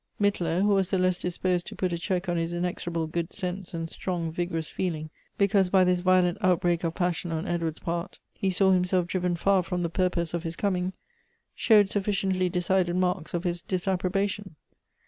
Mittler, who was the less disposed to put a check on his inexorable good sense and strong, vigorous feeling, because by this violent outbreak of passion on Edward's ■p.irt he s.iw himself driven far from the purpose of his coming, showed sufficiently decided marks of his disap probation.